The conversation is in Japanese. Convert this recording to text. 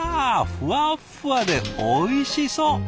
ふわっふわでおいしそう！